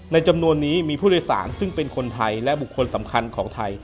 จำนวนนี้มีผู้โดยสารซึ่งเป็นคนไทยและบุคคลสำคัญของไทย